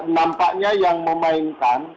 nampaknya yang memainkan